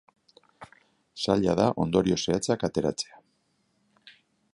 Zaila da ondorio zehatzak ateratzea.